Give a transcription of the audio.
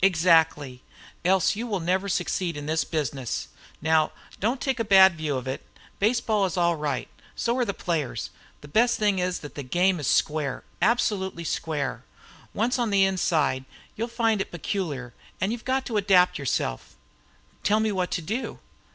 "Exactly. Else you will never succeed in this business. Now, don't take a bad view of it. Baseball is all right; so are the players. The best thing is that the game is square absolutely square. Once on the inside, you'll find it peculiar, and you've got to adapt yourself." "Tell me what to do."